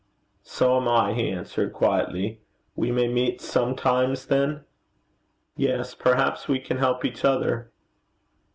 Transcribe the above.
'So am I,' he answered quietly. 'We may meet sometimes then?' 'Yes. Perhaps we can help each other.'